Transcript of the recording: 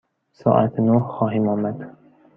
ساعت نه خواهیم آمد.